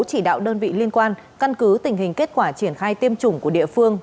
chỉ đạo đơn vị liên quan căn cứ tình hình kết quả triển khai tiêm chủng của địa phương